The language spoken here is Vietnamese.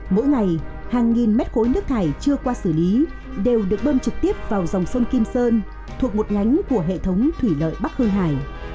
mỗi ngày hàng nghìn mét khối nước thải chưa qua xử lý đều được bơm trực tiếp vào dòng sông kim sơn thuộc một nhánh của hệ thống thủy lợi bắc hương hải